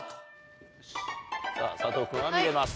さぁ佐藤君は見れます。